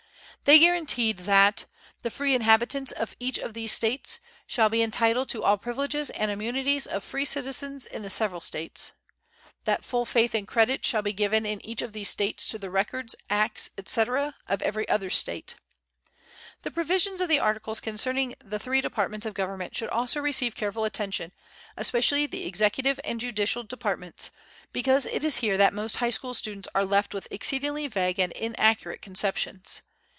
They guaranteed that "the free inhabitants of each of these States ... shall be entitled to all privileges and immunities of free citizens in the several States"; "that full faith and credit shall be given in each of these States to the records, acts, etc., of every other State." The provisions of the Articles concerning the three departments of government should also receive careful attention, especially the executive and judicial departments, because it is here that most high school students are left with exceedingly vague and inaccurate conceptions.